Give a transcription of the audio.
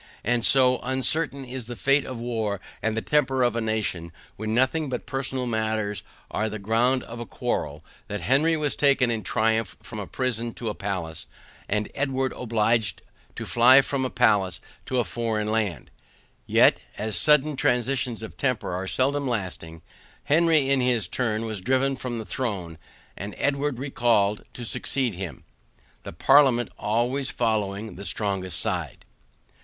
And so uncertain is the fate of war and the temper of a nation, when nothing but personal matters are the ground of a quarrel, that Henry was taken in triumph from a prison to a palace, and Edward obliged to fly from a palace to a foreign land; yet, as sudden transitions of temper are seldom lasting, Henry in his turn was driven from the throne, and Edward recalled to succeed him. The parliament always following the strongest side.